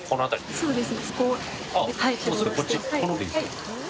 そうです。